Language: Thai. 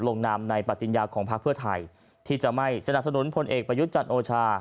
ลงนามในปฏิญญาของพักเพื่อไทยที่จะไม่สนับสนุนพลเอกประยุทธ์จันทร์โอชา